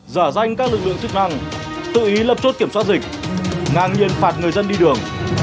giả danh các lực lượng chức năng tự ý lập chốt kiểm soát dịch ngang nhiên phạt người dân đi đường